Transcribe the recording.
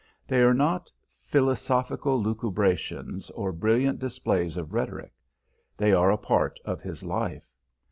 They are not philosophical lucubrations or brilliant displays of rhetoric. They are a part of his life.